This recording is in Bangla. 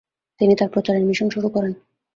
তিনি তার প্রচারের মিশন শুরু করেন।